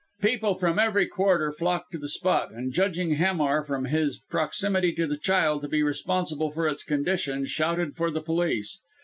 People from every quarter flocked to the spot, and judging Hamar, from his proximity to the child, to be responsible for its condition, shouted for the police.